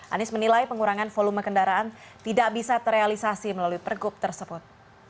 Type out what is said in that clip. anies menilai pengurangan volume kendaraan tidak bisa terrealisasi melalui pergub tersebut